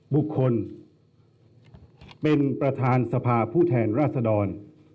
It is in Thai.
บุคคลเป็นประธานสภาผู้แทนราษดร